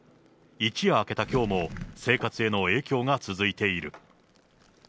一夜明けたきょうも、生活への影響が続いている。